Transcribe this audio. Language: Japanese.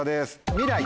「未来」。